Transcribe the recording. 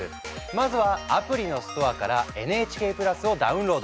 まずはアプリのストアからＮＨＫプラスをダウンロード！